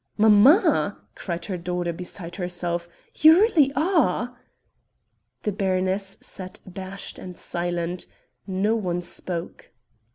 "Mamma!" cried her daughter beside herself, "you really are!..." The baroness sat abashed and silent no one spoke.